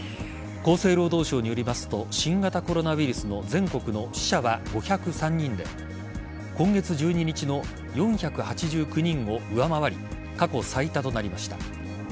厚生労働省によりますと新型コロナウイルスの全国の死者は５０３人で今月１２日の４８９人を上回り過去最多となりました。